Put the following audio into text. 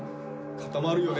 固まるよね。